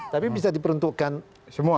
tapi bisa diperuntukkan semua